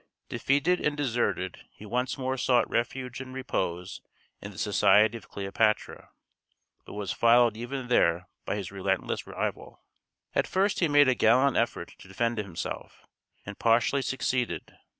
Defeated and deserted, he once more sought refuge and repose in the society of Cleopatra, but was followed even there by his relentless rival. At first he made a gallant effort to defend himself, and partially succeeded.